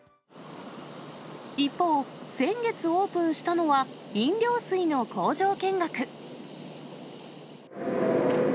一方、先月オープンしたのは、飲料水の工場見学。